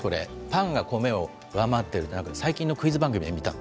パンが米を上回っているって、なんか最近のクイズ番組で見た。